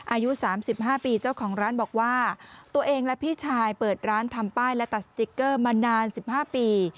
อายุ๓๕ปีเจ้าของร้านบอกว่าตัวเองและพี่ชายเปิดร้านทำป้ายและตัดสติ๊กเกอร์มานาน๑๕ปี